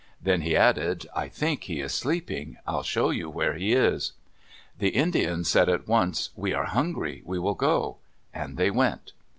Then he added, "I think he is sleeping. I'll show you where he is." The Indians said at once, "We are hungry. We will go." And they went.